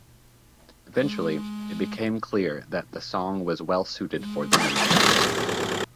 Eventually, it became clear that the song was well suited for the movie.